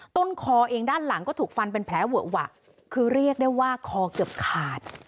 ต้นคอเองด้านหลังก็ถูกฟันเป็นแผลเวอะหวะคือเรียกได้ว่าคอเกือบขาด